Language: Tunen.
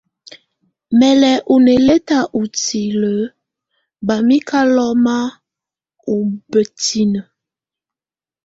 Mɛ́ lɛ́ ú nɛlɛtá ú tilǝ́ bá mɛ́ ká lɔ́má ú bǝ́tinǝ́.